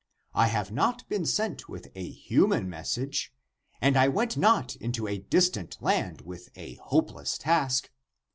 I have not been sent with a human message, and I went not into a distant land with a hopeless task.